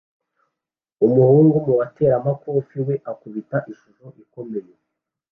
Umuhungu mu bateramakofe we akubita ishusho ikomeye